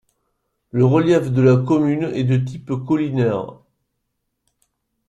Le relief de la commune est de type collinaire.